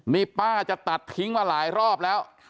นี่ป้าจะตัดทิ้งมาหลายรอบแล้ว